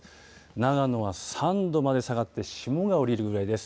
長野は３度まで下がって、霜が降りるぐらいです。